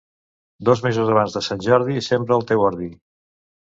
Dos mesos abans de Sant Jordi sembra el teu ordi.